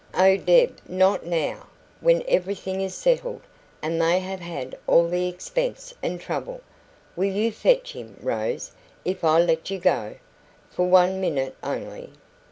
"Oh, Deb, not now, when everything is settled, and they have had all the expense and trouble " "Will you fetch him, Rose, if I let you go? For one minute only.